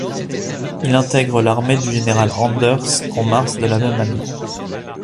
Il intègre l’armée du général Anders en mars de la même année.